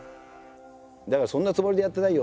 「だからそんなつもりでやってないよ。